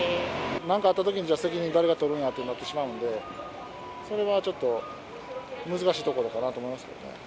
なんかあったときにじゃあ責任誰が取るんやっていうことになってしまうんで、それはちょっと、難しいところかなと思いますけどね。